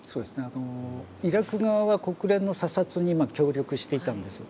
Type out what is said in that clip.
あのイラク側は国連の査察にまあ協力していたんです。